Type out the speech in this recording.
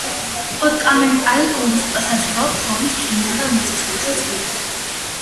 პოდკამენაია-ტუნგუსკა საზრდოობს თოვლის, წვიმისა და მიწისქვეშა წყლით.